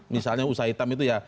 misalnya usaha hitam itu ya